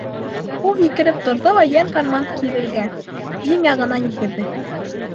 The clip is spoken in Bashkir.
Ул һикереп торҙо ла йән-фарман кирегә, Дим яғына йүгерҙе.